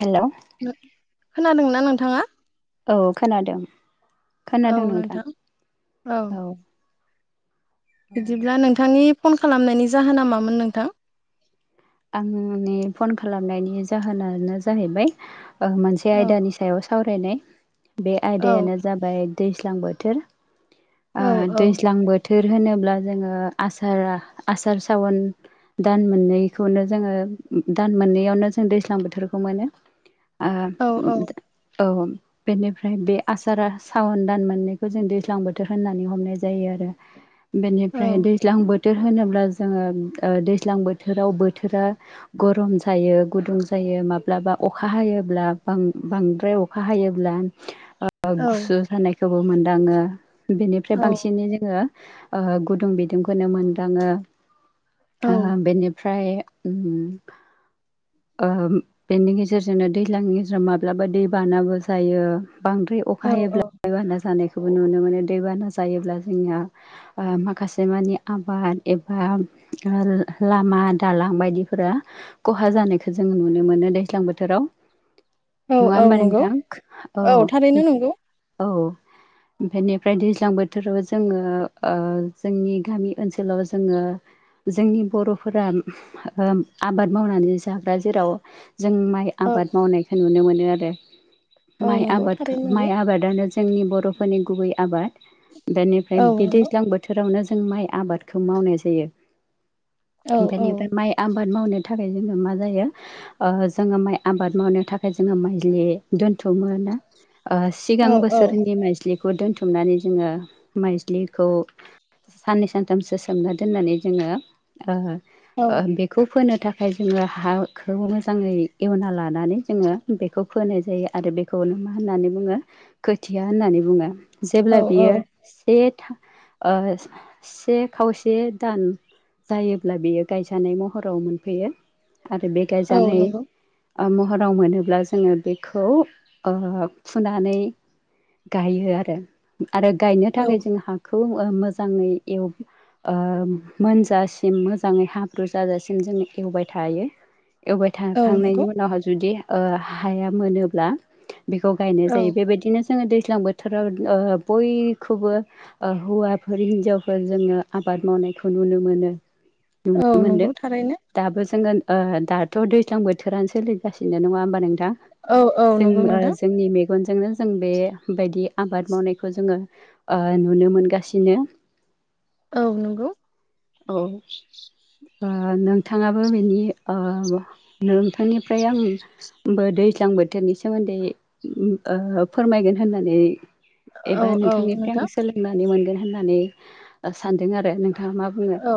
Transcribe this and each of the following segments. हेल' खोनादोंना नोंथाङा? औ खोनादों खोनादों नोंथां औ। बिदिब्ला नोंथांनि फन खालामनायनि जाहोना मामोन नोंथां? आं नि फन खालामनायनि जाहोनानो जाहैबाय ओ मोनसे औ आयदानि सायाव सावरायनाय बे औ आयदायानो जाबाय दैज्लां बोथोर ओ औ दैज्लां बोथोर थोर होनोब्ला जोङो आसारा आसार सावन दान मोननै बेखौनो जोङो दान मोननै यावनो जों दैज्लां बोथोरखौ मोनो। ओ औ [inaudible] औ बेनिफ्राय बे आसारा सावन दान मोननैखौ जों दैज्लां बोथोर होननानै हमनाय जायो आरो। औ बेनिफ्राय दैज्लां बोथोर होनोब्ला जोङो ओ दैज्लां बोथोराव बो बोथोरा गरम जायो गुदुं जायो माब्लाबा अखा हायोब्ला बां बांद्राय अखा हायोब्ला ओ औ गुसु जानायखौबो मोनदाङो बेनिफ्राय बांसिनै जोङो ओ गुदुं बिदुं खौनो मोनदाङो ओ बेनिफ्राय उम। ओ बेनि गेजेर जोंनो दैज्लांनि गेजेराव माब्लाबा दै बानाबो जायो। बांद्राय अखा औ हायोब्ला दैबाना जानायखौ खौबो नुनो मोनो दैबाना जायोब्ला जोंनिया ओ माखासे मानि आबाद एबा आ लामा दालां बायदि फोरा खहा जानाय खौ जों नुनो मोनो दैज्लां बोथोराव। औ नङा औ होमबा नंगौ नोंथां? औ थारैनो नंगौ औ। बेनिफ्राय दैज्लां बोथोराव जोङो ओ जोंनि गामि ओनसोलाव जोङो जोंनि बर'फोरा ओ आबाद मावनानै जाग्रा जेराव जों माइ औ आबाद मावनायखौ नुनो मोनो आरो। औ माइ नंगौ आबाद थारैनो नंगौ माइ आबादानो जों जोंनि बर'फोरनि गुबै आबाद बेनिफ्राय औ बे नंगौ दैज्लां बोथोरावनो जों माय आबादखौ मावनाय जायो औ औ बेनि माय आबाद मावनो थाखाय जोंनो मा मा जायो ओ जोङो माइ आबाद मावनो थाखाय जोङो माइज्लि दोनथुमो ना ओ सिगां औ बोसोरनि माइजलिखौ दोनथुमनानै जोङो माइज्लिखौ साननै सानथामसो सोमना दोननानै जोङो ओ औ ओ बेखौ फोनो थाखाय जोङो हाखौ मोजाङै एवना लानानै जोङो बेखौ फोनाय जायो आरो बेखौनो मा होननानै बुङो खोथिया होननानै बुङो औ जेब्ला बियो औ से ओ से खावसे दान जायोब्ला बेयो गायजानाय महराव मोनफैयो आरो बे औ गायजानाय नंगौ महराव मोनोब्ला जोङो बेखौ ओ फुनानै गायो आरो आरो गायनो औ थाखाय जों हाखौ मोजाङै एव ओ मोनजासिम मोजाङै हाब्रु जाजासिम जोङो एवबाय थायो एवबाय औ थाखांनायनि नंगौ उनावहाय जुदि हाया मोनोब्ला बेखौ गायनाय औ जायो बेबायदिनो जोङो दैज्लां बोथोराव ओ बयखौबो ओ हौवाफोर हिनजावफोर जोङो आबाद बाद मावनायखौ नुनो मोनो औ नुनो नंगौ मोनदों थारैनो दाबो जोङो ओ दाथ' दैज्लां बोथोरानो सोलिगासिनो नङा होमबा नोंथ थां औ औ जों नंगौ नोंथां जोंनि मेगनजोंनो जों बेबायदि आबाद मावनायखौ जोङो ओ नुनो मोनगासिनो। औ नंगौ औ बा नोंथाङाबो बेनि ओ नोंथांनिफ्राय आं बो दैज्लां बोथोरनि सोमोन्दै ओ फोरमायगोन होननानै औ एबा औ नोंथांनिफ्राय नोंथां आं सोलोंनानै मोनगोन होननानै सानदों आरो नों औ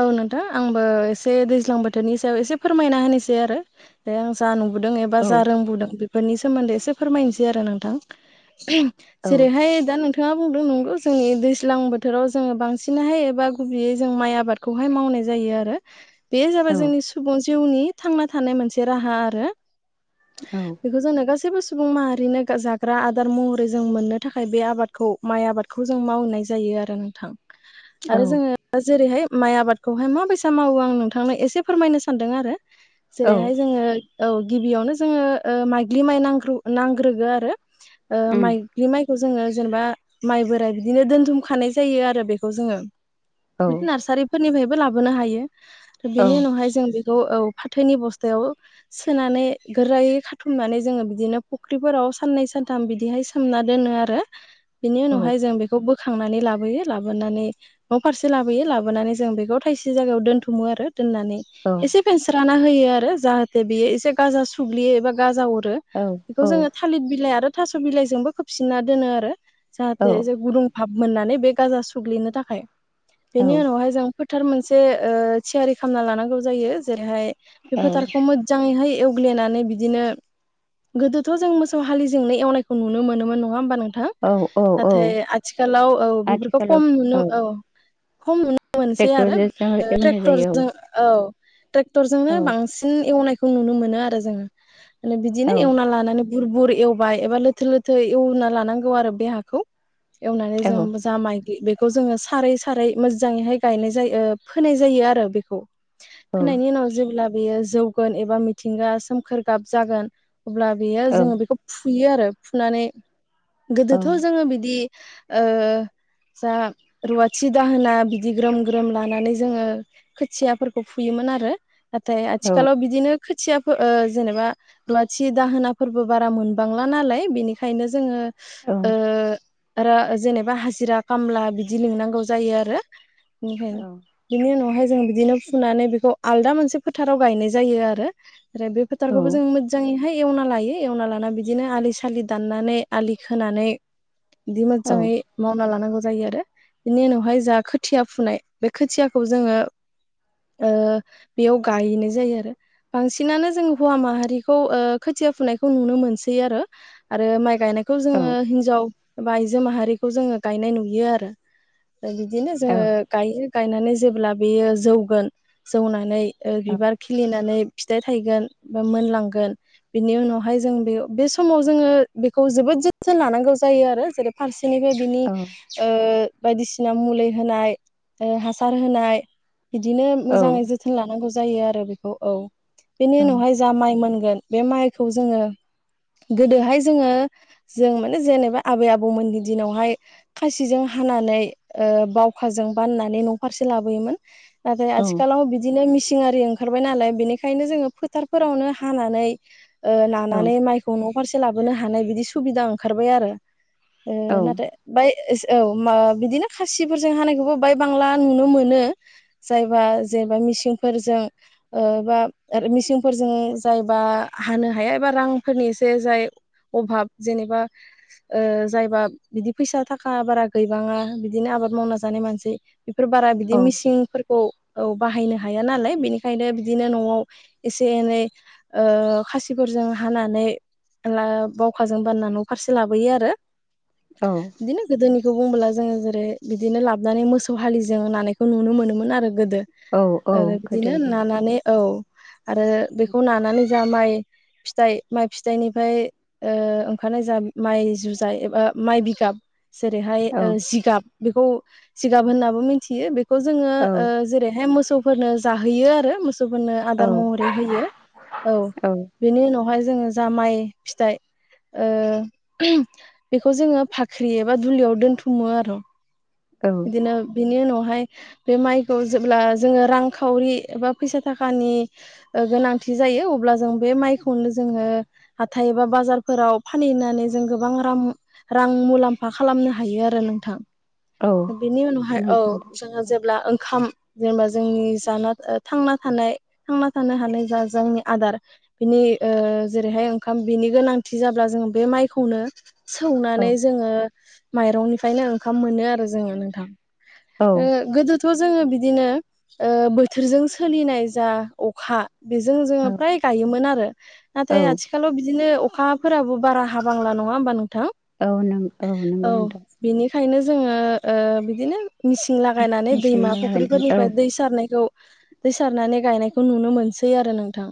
औ नोंथां आंबो एसे एसे दैज्लां बोथोरनि सायाव एसे फोरमायना होनोसै आरो जा नु बुदों एबा औ रोंबुदों बेफोरनि सोमोन्दै एसे फोरमायनोसै आरो नोंथां औ जेरैहाय दा नोंथाङा बुंदों नंगौ जोंनि दैज्लां बोथोराव जोङो बांसिनहाय गुबै जों माय आबादखौहाय मावनाय जायो आरो बे जाबाय औ जोंनि सुबुं जिउ जिउनि थांना थानाय मोनसे राहा आरो बेखौ जोंनो गासै सैबो सुबुं माहारिनो जाग्रा आदार महरै जों मोननो थाखाय बे आबादखौ माइ आबादखौ जों मावनाय जायो आरो नोंथां। औ आरो जोङो जेरैहाय माइ आबादखौहाय माबायसा मावो आं नोंथांनो एसे फोरमायनो सानदों आरो। औ जेरैहाय जोङो औ गिबियावनो जोङो ओ माइग्लि माइ नांग्रो नांग्रोगो आरो। ओ उम माइग्लि माइ खौ जोङो जेनेबा माइ बोराइ बिदिनो दोनथुमखानाय जायो आरो बेखौ जोङो। औ बिदि नार्सारिफोरनिफ्रायबो लाबोनो हायो आरो औ बेनि उनावहाय जों बे औ फाथोनि बस्थायाव सोनानै गोरायै खाथुमनानै जोङो बिदिनो फुख्रिफोराव साननै सानथाम बिदिहाय सोमना दोनो आरो। बिनि औ उनावहाय जों बेखौ बोखांनानै लाबोयो लाबोनानै न' फारसे लाबोयो लाबोनानै जों बेखौ थायसे जायगायाव दोनथुमो आरो। दोननानै औ एसे फेन्स्राना होयो आरो जाहाथे बेयो एसे गाजा सुग्लियो एबा गाजा अर रो औ औ बेखौ जोङो थालिर बिलाइ आरो थास' बिलाइजोंबो खोबसिनना दोनो आरो। औ जाहाथे जे गुदुं भाब मोननानै बे गाजा सुग्लिनो थाखाय बेनि उनावहाय जों फ फोथार मोनसे ओ थियारि खालामना लानांगौ जायो जेरैहाय बे फोथारखौ मोजाङैहाय एवग्लिनानै बिदिनो गोदोथ' जों मोसौ हालिजोंनो एवनायखौ नुनो मोनोमोन नङा होमबा नों थां औ औ औ नाथाय आथिखालाव औ बेफोरखौ खम नुनो औ खम नु नो मोनसेै आरो ट्रेक्टरजोंसो एवनाय जायो ट्रेक्टरजों औ। ट्रेक्टरजोंनो औ बांसिन एवनायखौ नुनो मोनो आरो जोङो माने बिदिनो औ एवना लानानै बुर बुर एवबाय एबा लोथो लोथोर एवना लानांगौ आरो बे हाखौ। एवनानै जों औ जा माइग्लि बेखौ जोङो सारै सा मोजांङैहाय गायनाय जायो फोनाय जायो आरो बेखौ औ फोनायनि उनाव जेब्ला बेयो जौगोन एबा मिथिंगा सोमखोर गाब जागोन अब्ला बेयो औ जोङो बेखौ फुयो आरो फुनानै औ गोदोथ' जोङो बिदि जा रुवा थि दाहोना बिदि ग्रोम ग्रोम लानानै जोङो खोथियाफोरखौ फुयोमोन आरो नाथाय औ आथिखालाव बिदिनो खोथियाफोर जेनेबा लुवाथि दाहोनाफोरबो बारा मोनबांला नालाय बेनिखायनो जोङो औ। आरो जेनेबा हाजिरा खामला बिदि लिंनांगौ जायो आरो औ बिनि उनावहाय जों बिदिनो फुनानै बेखौ आलदा मोनसे फोथाराव गायनाय जायो आरो आरो बे औ फोथारखौबो जों मोजाङै एवना लायो एवना लाना बिदिनो आलि सालि दाननानै आलि खोनानै बिदि औ मोजाङै मावना लानांगौ जायो आरो बिनि उनावहाय जा खोथिया फुनाय बे खोथियाखौ जोङो बेयाव गायनाय जायो आरो बांसिनानो जों हौवा माहारिखौ खोथिया फुनायखौ नुनो मोनसै आरो गायनायखौ जोङो हिन्जाव एबा आइजो माहारिखौ जोङो गायनाय नुयो आरो बिदिनो जोङो गायो गायनानै जेब्ला बेयो जौगोन जौनानै बिबार खिलिनानै फिथाइ थायगोन मोनलांगोन बेनि उनावहाय जों बे बे समाव जोङो बेखौ जोबोद लानांगौ जायो आरो जेरै फारसेनिफाय बिनि बायदिसिना मुलि होनाय हासार होनाय बिदिनो औ मोजाङै औ जोथोन लानांगौ जायो आरो बेखौ औ बेनि औ उनावहाय जा माइ मोनगोन बे माइखौ जोङो गोदोहाय जोङो जों माने जेनेबा आबै आबौमोननि दिनावहाय खासिजों हानानै बावखाजों बाननानै न' फारसे लाबोयोमोन नाथाय गोदो आथिखालाव बिदिनो मिसिन नारि ओंखारबाय नालाय बेनिखायनो जोङो फोथारफोरावनो हानानै औ नानानै माइखौ न' फारसे लाबोनो हानाय बिदि सुबिदा ओंखारबाय आरो नाथाय बाय औ बिदिनो खासिफोरजों हानायखौबो बाय बांला नुनो मोनो जायबा जेन'बा मिसिन बा मिसिनफोरजों जायबा हानो हाया एबा रांफोरनि जे जाय अभाब जेनेबा जायबा बिदि फैसा थाखा बारा गैबाङा बिदिनो आबाद मावना जानाय मानसि बेफोर बारा बिदि मिसिनफोरखौ औ बाहायनो हाया नालाय बेनिखायनो बिदिनो न'आव एसे एनै खासि फोरजों हानानै बावखाजों बाननानै न'फारसे लाबोयो आरो बिदिनो गोदोनि बेखौ बुंङोबोला जोङो जेरै बिदिनो लाबोननानै मोसौ हालिजों नानायखौ नुनो मोनोमोन आरो गोदो आरो बिदिनो नानानै औ आरो बेखौ नानानै जा माइ फिथाइ माइ फिथाइनिफ्राय ओंखारनाय जा माइ जुजाय एबा माइ बिगाब जेरैहाय जिगाब बेखौ सिगाब होननाबो मिथियो बेखौ जोङो जेरैहाय मोसौफोरनो जाहोयो आरो मोसौ फोरनो आदार महरै होयो औ बेनि उनावहाय जों जा माइ फिथाइ बेखौ जोङो बाख्रि एबा दुलियाव दोनथुमो आरो बिदिनो बिनि उनावहाय बे माइखौ जेब्ला जोङो रांखावरि एबा फैसा थाखानि गोनांथि जायो अब्ला जों बे माइखौनो जोङो हाथाय एबा बाजारफोराव फानहैनानै जों गोबां रां मुलाम्फा खालामनो हायो आरो नोंथां बेनि उनावहाय औ जोङो जेब्ला ओंखाम जेनेबा जोंनि जाना ओ थांना थानाय थांना थानो हानाय जा जोंनि आदार बिनि इ ओ जेरैहाय ओंखाम बिनि गोनांथि जाब्ला जोङो बे माइखौनो सौनानै जोङो माइरंनिफ्रायनो ओंखाम मोनो आरो जोङो नोंथां ओ गोदो थ' जोङो बिदिनो ओ बोथोरजों सोलिनाय जा अखा बेजों जोङो फ्राय गायोमोन आरो औ नाथाय आथिखालाव बिदिनो अ- खाफोराबो बारा हाबांला नङा होमबा नों- औ नों औ नोंगौ नोंथां खायनो जोङो ओ बिदिनो मिसिन लागायनानै मेचिन दैमा बाहायनानै औ फुख्रिफोरनिफ्राय दै सारनायखौ दै सारनानै गायनायखौ नुनो मोनसै आरो नोंथां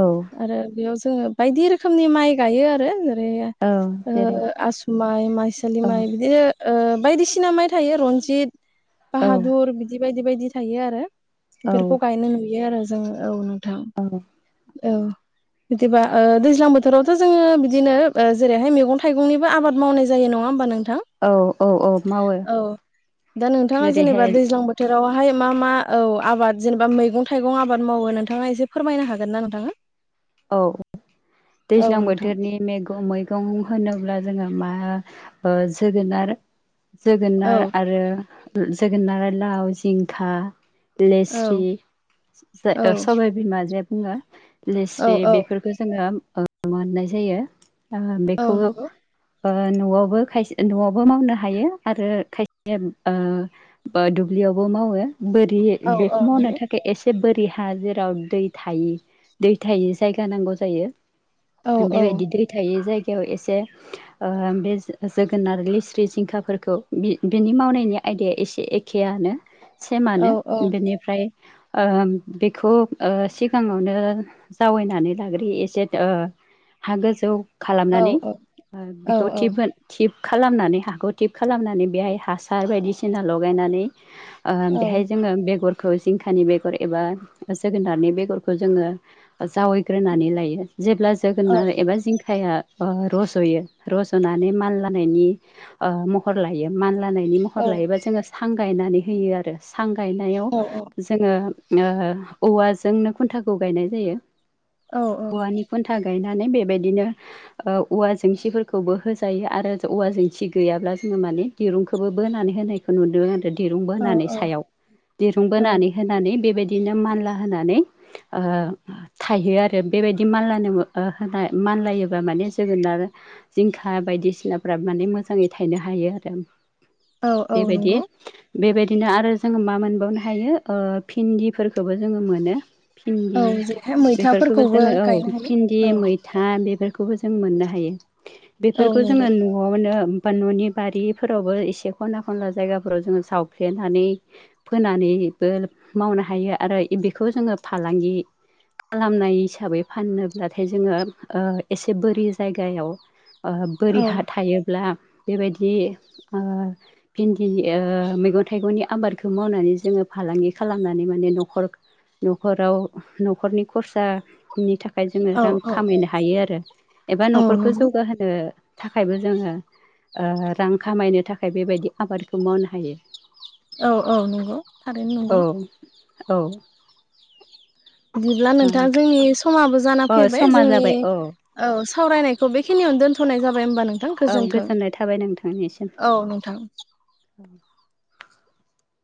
औ आरो बेयाव जोङो बायदि रोखोमनि माइ गायो आरो बैआइ औ जेरै ओ आसु माइ माइसालि औ माइ बिदिनो ओ बायदिसि- सिना माइ थायो रन्जित औ बाहादुर बिदि बायदि बायदि थायो आरो औ बेफोरखौ गायनो नुयो आरो जोंङो औ नों- औ औ बिदिबा ओ दैज्लां बोथोरावथ' जोङो बिदिनो ओ जेरैहाय मैगं थाइगंनिबो आबाद मावनाय जायो नङा होमबा नों- औ औ औ मावो औ दा नोंथाङा जेरैहाय जेनेबा दैज्लां बोथोर- रावहाय मा मा औ आबाद जेनेबा मैगं थाइगं आबाद मावो नोंथाङा एसे फोरमायनो हागोन ना नोंथां औ दैज्लां नोंथां बोथोरनि मेगं मैगं होनोब्ला जोङो मा ओ जोगोनार जोगोनार औ आरो बो जोगोनार आरो लाव जिंखा लेस्रि औ ओ औ सबाय बिमाजे बुङो लेस औ जे बेफोरखो जोङो ओ मोननाय जायो ओ औ बेखौबो नंगौ ओ न'आवबो खायसे न'आवबो मावनो हायो आरो खायसे ओ बो दुबलि यावबो मावो बोरि औ औ बेखौ मावनो नंगौ थाखाय एसे बोरि हा जेराव दै थायि दै थायि जायगा नांगौ जायो औ औ बेबायदि दै थायि जाय- याव एसे ओ बे जो-जोगोनार लेस्रि जिंखाफोरखौ बि-बिनि मावनायनि आयदाया एसे एखेआनो सेमानो बेनिफ्राय ओ बेखौ ओ सिगाङावनो जावैनानै लाग्रोयो एसे ओ हा गोजौ औ खालामनानै औ ओ औ बेखौ थिप होन थिब खालामनानै हाखौ थिब खालामनानै बेहाय हासार बायदिसिना लगायनानै ओ औ बेहाय जोङो बेगर खौ जिंखानि बेगर एबा जोगोनारनि बेगरखो जोङो ओ जावैग्रोनानै लायो जेब्ला औ जोगोनार एबा जिंखाया अ रज'यो रज'नानै मानलानायनि ओ महर लायो मानला- लानायनि महर लायोबा जोङो सां गायनानै होयो आरो सां गायनायाव जोङो ओ औवाजोंनो खुन्थाखौ गायनाय जायो औवानि खुन्था गायनानै बेबायदिनो ओ औवा जेंसिफोरखौबो होजायो आरो औवा जेंसि गैयाब्ला जो- ङो माने दिरुंखोबो बोनानै होनायखौ नुदों आरो दा दिरुंबोनानै सायाव दिरुं औ बोनानै होनानै बेबायदि दिनो मानला होनानै ओ थायहो आरो बेबायदि मानलानोबो ओ होनाय मानलायोबा माने जोगोनार जिंखा बाय- दिसिनाफोराबो माने मोजाङै थायनो हायो आरो औ औ बेबायदि नंगौ बेबाय- दिनो आरो जों मा मोनबावनो हायो ओ भिन्दिफोरखोबो जोङो मोनो औ भिन्दि जोखाय मोन बेफोरखौबो जोङो औ भिन्दि मैथा बे बेखौबो जों मोननो हायो औ बेफोरखौ नंगौ जोङो न'आवनो बा न'नि बारिफोरावबो एसे खनना खनला जायगाफोराव जोङो सावफ्लेनानै फोनानै बो मावनो हायो आरो बेखौ जोङो फालांगि खालामनाय हिसाबै फाननोब्लाथाय जोङो ओ एसे बोरि जायगायाव ओ बोरि हा थायोब्ला बेबायदि ओ भिन्दि मैगं थाइगंनि आबादखौ मावनानै जोङो फाल फालांगि खालामनानै माने नखरख नखराव नखरनि खरसानि थाखाय जोङो औ रां औ खामायनो हायो आरो एबा औ नखरखौ नंगौ जौगाहोनो थाखायबो जोङो ओ रां खामायनो थाखाय बेबायदि आबादखौ मावनो हायो औ औ नंगौ थारैनो औ नंगौ औ बिदिब्ला नोंथां जोंनि समाबो जाना ओ अ फैबाय समा जोंनि जाबाय औ सावरायनायखौ बेखिनियाव दोनथ'नाय जाबाय होमबा नों थां औ गोजोनथों गोजोननाय थाबाय नोंथांनिसिम औ नोंथां [inaudible]